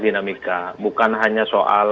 dinamika bukan hanya soal